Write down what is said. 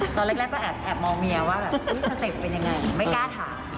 ตอนแรกเต้นว่าแอบมองเมียว่าอื้อยสเต็ปเป็นอย่างไรไม่กล้าถาม